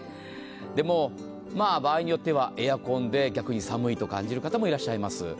でも場合によってはエアコンで逆に寒いと感じる方もいらっしゃいます。